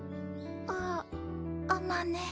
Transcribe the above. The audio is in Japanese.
ああまね